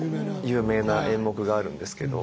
有名な演目があるんですけど。